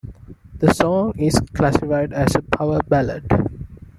The song is classified as a power ballad.